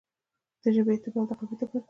دژبې اعتبار دقوم اعتبار دی.